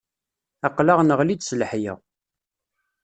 Aqlaɣ neɣli-d s leḥya.